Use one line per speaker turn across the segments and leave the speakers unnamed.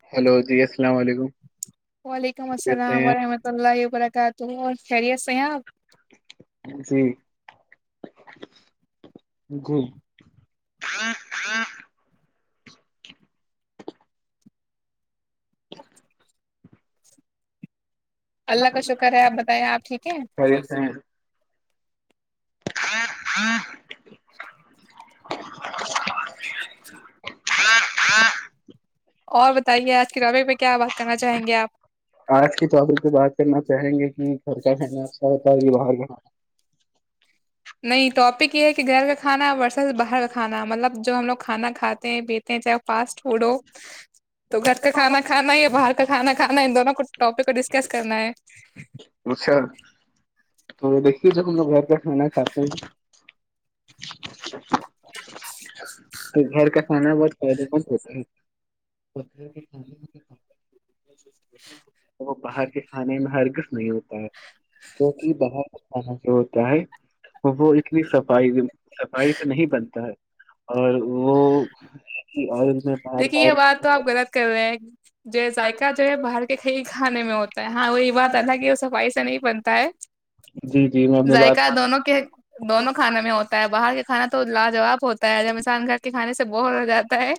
ج
وعلیکم
خیریت سے
السلام
ہیں
ورحمۃ اللہ وبرکاتہ تو خیریت سےحپ
جی جی
اللہ کا شکر ہے آپ بتائیں آپ ٹھیک ہے
خیریت ہاں ہاں
[unintelligible] [unintelligible] اور بتائیے آج کی اابک میں کیا بات کرنا چاہیں گے آپ
آج کے پر پ بات کرنا چاہیں گے کہ گھر کا کہناا اچھا ہوتا ہے اور کہ باہر کانا
نہیں توپک یہ ہے کہ گھر کا ک کھانا ورس سے باہر کا کھا مطلب جو ہم لگ کھانا کاتا بیتے ہیں چاہے فاسٹ فوڈ ہو تو گھر کا کھانا کھانا یا باہر کا کھانا کھانا ان دونوں کو ٹاپک کو ڈسکس کرنا ہے
کھانا اچھا تو دھی ج ہم لوگ گھر کاٹانا کاتے
[unintelligible]
تو گھر کا کھانا بہت فائدے مند ہوتا ہے وہ باہر کے کھانے میں ہرگس نہیں ہوتا ہے جوہ بہت اچ جو ہوتا ہے وہ اتنی صفائی صفائی سے نہیں بنتا ہے اور وہ میں بار
دیکھیے یہ
بار
بات تو آپ غلط کر رہے ہیں جو ذائقہ جو ہے باہر کے ک کھانے میں ہوتا ہے ہاں وہی بات آ کہ وہ صفائی سے نہیں بن کا
جی جی میں اپنی بات
ذائقہ دونوں کے دونوں کھانوں میں ہوتا ہے باہر کے کھانا تو لاجواب ہوتا ہے جب انسان گھر کے کھانے سے بوور ہو جاتا ہے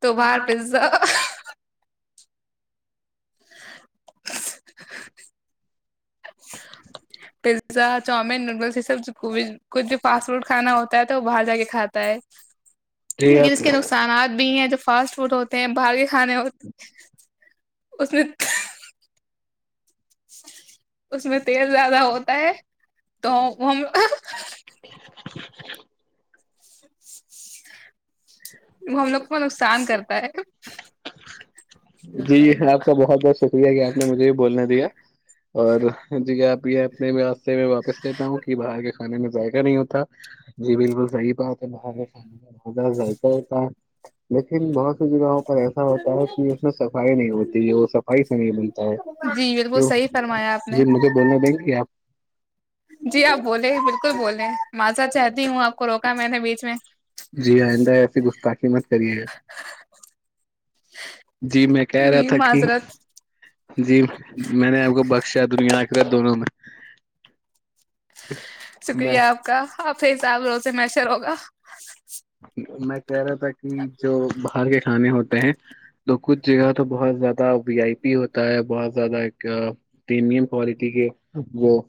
تو بار پیزا [unintelligible] پیزا چؤمین نوڈلس یہ سب خوب کچھ بھی فاسٹ فوڈ کھا ہوتا ہے تو وہاہر جا کے کھا ت [unintelligible]
جی
لیکن
آپ
اس کے نقصانات بھی ہیں جو فاسٹ فوڈ ہوتے ہیں باہر کے کھانے ہوتے اس نے [inaudible] اس میں تیل زیادہ ہوتا ہے تو ہم
ج
وہ ہم لوگ کو نقصان کرتا ہے
جی آپ کا بہت بہت شکریہ کہ آپ نے مجھے یہ بولنا دیا اور جی آپ یہ اپنے راستے میں واپس لیتا ہوں کہ باہر کے کھانے میں ذائقہ نہیں ہوتا جی بالکل صحیح بات ہے باہر کےھت تا ہے لیکن بہت سی جگہوں پر ایسا ہوتا ہے کہ اس میں سب صائی نہیں ہوتی یہ صفائی سے نہیں بنتا ہے
جی بالکل صحیح
کی
فرمایا آپ نے
جی مجھے بولنا دیںے آپ
جی آپ بولے بالکل بولے معذا چاہتی ہوں آپ کو روکا میں نے بیچ میں
جی آئندہ ایسی گفتاخی مت کری ہیں جی میں کہہ رہا
جی
تھا کہ
معذرت
جی میں نے آپ کو بخشا دنیا آ کررا دونوں میں میں
شکریہ آپ کا آپھر حساب رو سے میشر ہوگا
میں کہہ رہا تھا کہ جو باہر کے کھانے ہوتے ہیں تو کچھ جگہ تو بہت زیادہ وی آئی پی ہوتا ہے بہت زیادہ ایک پریمیم کوالٹی کے وہ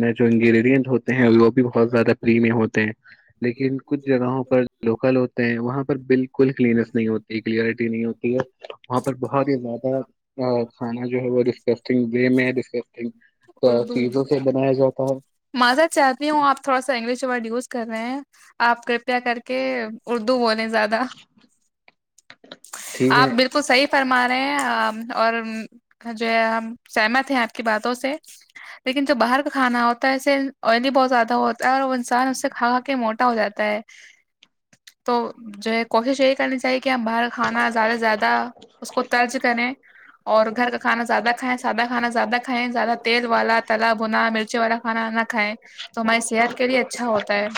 میں جو انگریڈینٹ ہوتے ہیں وہ بھی بہت زیادہری ہوتے ہیں لیکن کچھ جگہوں پر لوکل ہوتے ہیں وہاں پر بالکل کلینس نہیں ہوتی کلیئرٹی نہیں ہوتی ہے وہاں پر بہت ہی ماد س جو ہے وہ ڈسکسگ میں ڈسکسنگ تو چیزوں سے بنایا جاتا توم
مذا چاہتی ہوں آپ تھوڑا س انگلش وورڈیوز کریں آپ کرپیا کر کے اردو بولیں زیادہ
ٹھیک
آپ
ہے
بالکل صحیح فرما رہے ہیں اور جو ہے ہم سہمت ہیں آپ کی باتوں سے لیکن جو باہر کا کھانا ہوتا ہے اسے آئلی بہت زیادہ ہوتا اگر وہ انسان اس سے کھا کے موٹا ہو جاتا ہے [unintelligible] [unintelligible] تو جو ہے کوشش یہی کرنی چاہیے کہ ہم باہر [unintelligible] کھانا زیادہ سے زیادہ اس کو ترز کریں اور گھر کا کھانا زیادہ کھائیں سادہ کھانا زیادہ کھائیں زیادہ تیل والا تال بنا مرچی والا کھانا نہ کھائیں تو ہماری صحت کے لیے اچھا ہوتا ہے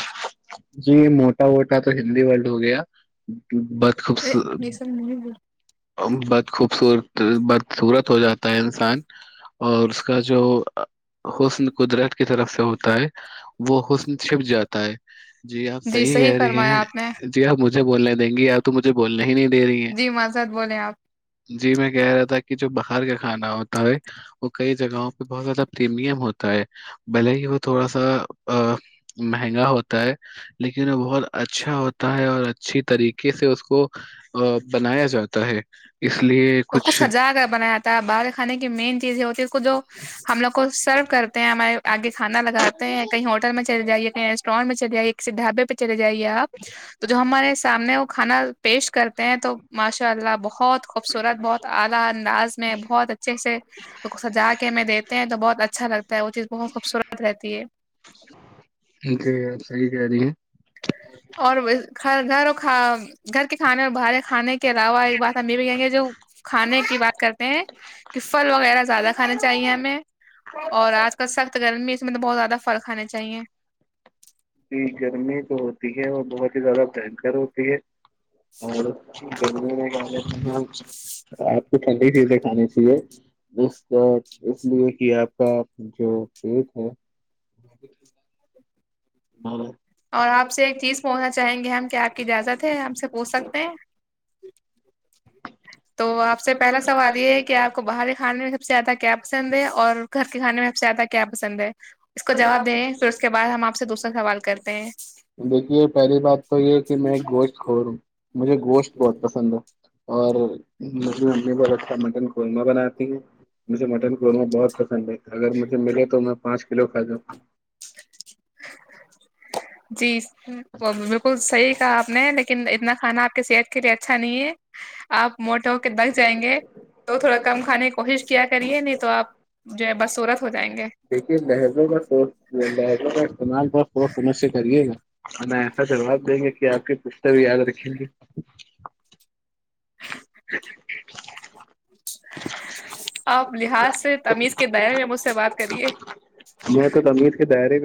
[unintelligible]
کا تو ہندی ورلڈ ہو گیا [unintelligible] ہ [unintelligible] بت خوب
یہ
[unintelligible]
سب نہیں
بت خوبصورت ب [unintelligible] سورت ہو جاتا ہے انسان اور اس کا جو حسن قدرت کی طرف سے ہوتا [unintelligible] ت ہے [unintelligible] وہ حسن چھپ جاتا ہے جی آپ صحیح کہہ رہی ہیں
فرمایا آپ نے
جی آپ مجھ [unintelligible] بولنے دیں گی آ تو مجھ بولنا ہی نہیں [unintelligible]
جی مذہ [unintelligible] بولے آپ [unintelligible]
جی میں کہہ رہا تھا کہ جو باہر کا [unintelligible] کھانا ہوتا ہے وہ کئی جگہوں پہ بہت زیادہ [unintelligible] پریمیم ہوتا ہے [unintelligible] بلے ہی وہ تھوڑا سا [unintelligible] ہ [unintelligible] مہنگا ہوتا ہے لیکن وہ بہت اچھا ہوتا ہے اور اچھی طریقے سے اس کو [unintelligible] ہ [unintelligible] بنایا سات [unintelligible]
اس کو سجا کر بنایا تھا باہر کھانے کی مین چزیں ہوتی ہے جو ہم لوگ کو سرو کرتے ہیں ہمارے آگے کھانا لگاتے ہیں کہیں ہوٹل میں چل جائیے کہیں ریٹورینٹ میں چل جے کسی ڈھابے پ چ چلے جائیے آپ تو جو ہمارے سامنے وہ کھانا پیش کرتے ہیں تو ماشاءاللہ بہت خوبصورت بہت اعلی انداز میں بہت اچھے سے سجا کے میں دیتے ہیں تو بہت اچھا لگتا ہے وہ چیز بہت خوبصورت رہتی ہے
[unintelligible]
اور گھر اور کا گھر کے کھانے اور باہر کھانے کے علاوہ ایک بات ہم یہ بھی کہیں گے جو کھانے کی بات کرتے ہیں کہ پھل وغیرہ زیادہ کھانے چاہیے ہمیں اور آج کل سخت گرمی اس میں تو بہت زیادہ پھل کھانے چاہیے
گرمی جو ہوتی ہے وہ بہت ہی زیادہ بنکر ہوتی ہے اور گرمیے آپ کو ٹھنڈی چیزیں کھانی چاہیے اس اس لیے کہ آپ کا جو پیٹ ہے اور
[unintelligible] اور آپ سے ایک چیز مونا چاہیں گے ہم کہ آپ کی اجازت ہے ہم سےب ہو سکتے ہیں تو آپ سے پہلا سوال یہ ہے کہ آپ کو باہر کھانے میں سب سے زیادہ کیا پسند ہے اور گھر کے کھانے میں آب سے زیادہ کیا پسند ہے اس کو جواب دیں پھر اس کے بعد ہم آپ سے دوسرا سوال کرتے ہیں
دیکھیے پہلی بات تو یہ کہ میں گوشت کھ رہ ہوں مجھے گوشت بہت پسند ہے اور [unintelligible] قورمہ بناتی ہ ہیں مجھے مٹن قورمہ بہت پسند ہے اگر مجھے ملے تو میں پانچ کلو فائدہ
جی بالکل صحیح کہا آپ نے لیکن اتنا کھانا صحت کے لیے اچھا نہیں ہے آپ موٹو کے دک جائیں گے تو تھوڑا کم کھانے کی کوشش کیا کریے نہیں تو آپ جو ہے بسورت ہو جائیں گے
دیکھیے لہجوں کا سوچ لہجوں کا استعمال بہت سوچ سمجھ سے کریے گا ہمیں ایسا جواب دیں گے کہ آپ کی پشتہ بھی یاد رکھیں گی [unintelligible] [unintelligible]
آپ لحظ سے تمیز کے در یا مجھ سے بات کریے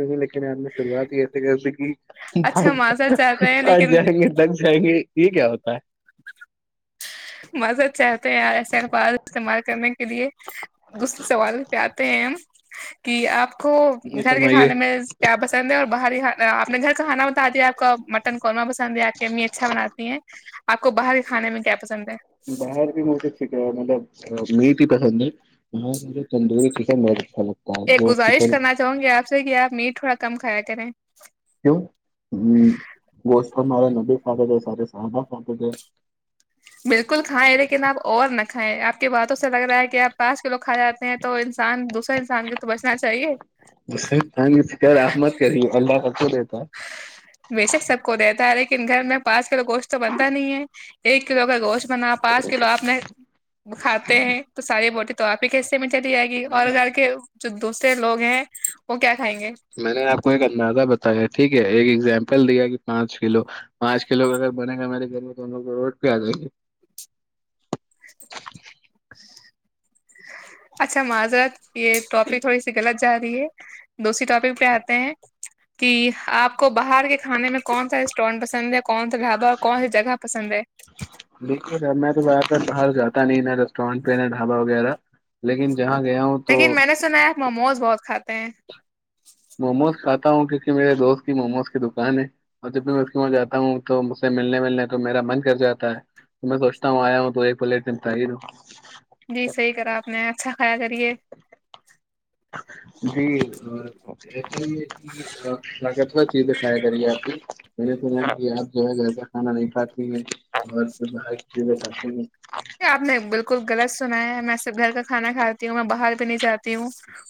ہوں د لیکن میں شروعات ہی ایسے کرتی کہ
اچھا معذرت چاہتے ہیں
پچ
لیکن
جائیں گے دک جائیں گے یہ کیا ہوتا ہے
مزد چاہتے ہیں ایسے اخبار استعمال کرنے کے لیے دوسرے سوالوں پہ آتے ہیں ہم کہ آپ آپ کو
جی
گھر کے کھانے
فرمائیے
میں پیا پسند ہے اور باہری اپنے گھر کا کھانا بتا دیا آپ کا مٹن قورمہ پسند ہے آپ کی امی اچھا بناتی ہیں آ کو باہر کانے میں کیا ہے
باہر بھی مجت اچھی مطلب میٹ ہی پسند ہے ہاں تندور ٹیک م خ
ایک گزارش کرنا چاہوں گی آپ سے کیا آپ میٹ تھوڑا کم کھایا کریں
ہ ہ گسٹ ماری ندی ف تھ ساریے ساردا ف تھ
بالکل کھائائےیں لیکن آپ اور نہ کھائےیں آپ کی باتوں سے لگ رہا ہے کہ آپ پانچ کلو کھا جاتے ہیں تو انسان دوسرے انسان کے تو بچنا چاہیے
جس سے تنگ فکر آپ مت کریے اللہ سب کو دیتا ہے
ویشک سب کو رہتا ار ایک گھر میں پس گوشت تو بنتا نہیں ہے ایک کلو کا گوشت بنا پانچ کلو آپ کاتے ہیں تو ساری بوٹی تو آ کسے ٹی ہےی اور کر کے ج دوسرے لوگ ہیں وہ کیا کھائیں گے
میں نے آپ کو یہ کرنا تھا بتایا ٹھیک ہے ایک ایگزامپل کل دیا کہ پانچ کلو پانچ کلو کا اگر بنے گا ہمے گھر میں تو ہم لوگ کو روڈ پ آ جائے گی
[unintelligible] اچھا معذرت یہ ٹاپی تھوڑی سی غلط جا رہی ہے دوسری ٹاپک پہ آتے ہیں کہ آپ کو باہر کے کھانے میں کون سا ریسٹورینٹ پسند ہے کون سا ڈھابا اور کون سی جگہ پسند ہے
دیکھیے سر میں تو زیادہ تر باہر جاتا نہیں نہ ریسٹورینٹ پہ نہ ڈھابا وغیرہ لیکن جہاں گیا ہوں تو
لیکن میں نے سنایا مموز بہت کھاتا پ
موموز کاتا ہوں کیونکہ میرے دوست کی موموز کی د کان اور جب بھی میں اس کے مد جاتا ہوں تو مجھ سے ملنے ملنے تو میرا من کر جاتا ہے تو میں سوچتا ہوں آیا ہوں تو ایک پلیٹ سمتاوں
جی صحیح کرا آپ نے اچھا کھایا کر جے
جی طاقت ور چیزیں کھایا کریے آپ کی میں نے سنا ہے کہ آپ جو ہے گھر کا کھانا نہیں کھاتی ہیں اور باہر کی چیزیں کھاتی ہیں
آپ نے بالکل غلط سنا ہے میں سب گھر کا کھانا کھاتی ہوں میں باہر نہیں چاہتی ہوں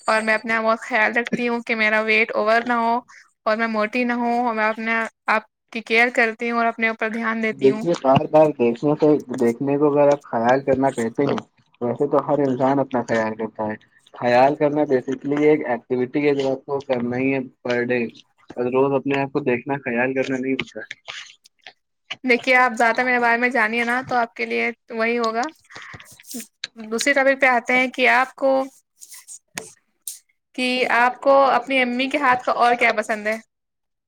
اور میں میں بت خیال رکھتی ہوں کہ میرا ویٹ اوور نہ ہو اور میں موٹی نہ ہ اور میں اپنے آپ کی کیئر کرتی ہوں اور اپنے اوپر دھیان دیتی ہوں
دیکھیے بار بار دیکھنے کو دیکھنے کو اگر آپ خیال کرنا کہتے ہیں ویسے ہر انسان اپنا خیال تو کرتا خیال کرنا بیسکلی ایک ایکٹیوٹی آپ کو کرنا ہی ہے پر ڈے ا روز اپنے آپ کو دیکھنا خیال کرنا نہیں اھتا ہے
دیکھیے آپ زیادہ میرے بارے میں جانیے نا تو آپ کے لیے وہی ہوگا دوسری ٹاپک پہ آتے ہیں کہ آپ کو [unintelligible] کہ آپ کو اپنی امی کے ہاتھ کا اور کیا پسند ہے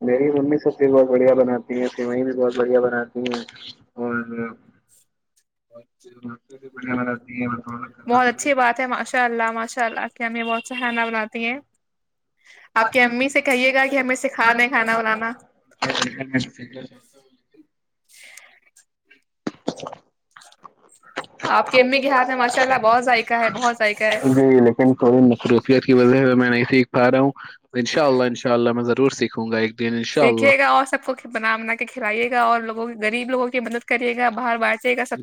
میری ممی سب چز بہت بڑھیا بنا سیویں بھی بہت بڑھیا بناتی ہیں اور بڑھیا
بہت اچھی بات ہے ماشاء اللہ ماشاء اللہ کیا ہم یہ بہت سا کھانا بناتی ہیں آپ کی امی سے کہیے گا کہ ہمیں سکھا دیں کھانا بنانا
[unintelligible]
جی
[inaudible]
آپ کی امی کے ہاتھ میں ماشاء اللہ بہت ذائقہ ہے بہت ذائقہ ہے
جی لیکن تھوری نکری یت کی وجہ سے میں نہیں سیکھ پا رہا ہوں ان شاء اللہ انشاء اللہ میں ضرور سیکھوں گا ایک دن انشاء اللہ
سیکھیے گا اور سب کو بوگ کے مطلب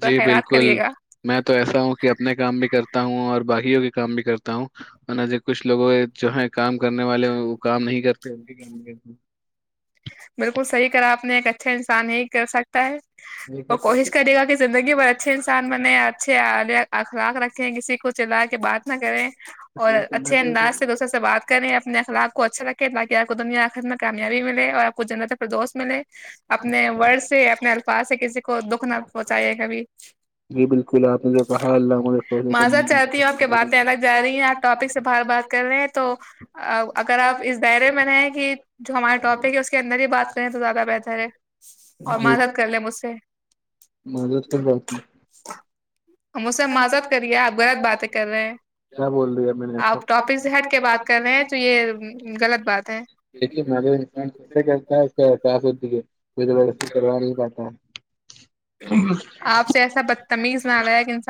جی بالکل
کریے گا
میں تو ایسا ہوں کہ اپنے کام بھی کرتا ہوں اور باقیوں کے کام بھی کرتا تا ہوں اور ج کچھ لوگوں جو ہے کام کرنے والے وہ کام نہیں کرتے پ [unintelligible]
بالکل صحیح کرا آپ نے ایک اچھا انسان ہی کر سکتا ہے
نہیں
اور
کرتے۔
کوشش کرے گا کہ زندگی بھر اچھے انسان بنے اچھے اخلاق رکھیں کسی کو چلا کے بات نہ کریں اور اچھے انداز سے دوسرے سے بات کریں اپنے اخلاق کو اچھا رکھیں تاکہ آپ کو دنیا اتنا کامیابی ملے اور کچھننا تو پردوس ملے اپنے ورڈ سے اپنے الفاظ سے کسی کو دکھ نہ پہنچائیے کبھی
جی بالکل آپ نے جو کہا اللہ مجھے سوچ
معذت چاہتی ہوں آپ کے باتیں الگ جا رہی ہیں آپ ٹاپک سے باہر بات کر رہے ہیں تو اگر آپ اس دائرے میں رہے کہ جو ہمارے ٹاپک ہے اس کے اندر ہی بات کریں تو زیادہ بہتر ہے اور مذت کر لے مجھ سے
مدد کر بات کی
ہم اس سے معذت کریے آپ غلط باتیں کر رہے ہیں
کیا بول رہی ہے میں نے
آپ
ایسا
ٹاپک سے ہٹ کے بات کر رہے ہیں تو یہ غلط بات ہے
دیکھیے مدد [unintelligible]
آپ سے ایسا بدتمیز نہ لایا کہن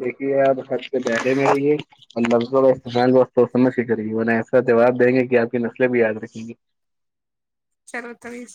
دیکھیے آپ حد پہ بیٹھے میں رہے اور لفظوں استعال بم خش کرے گینیں ایسا جواب دیں گے کہ آپ کی نسلیں بھی یاد رکھیں گی
چلو تریز